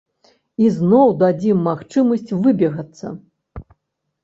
І зноў дадзім магчымасць выбегацца.